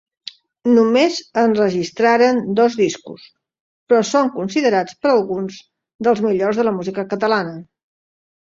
Només enregistraren dos discos però són considerats per alguns dels millors de la música catalana.